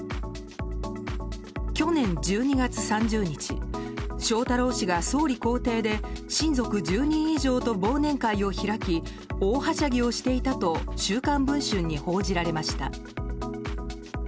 去年１２月３０日翔太郎氏が総理公邸で親族１０人以上と忘年会を開き大はしゃぎをしていたと「週刊文春」に報じられました。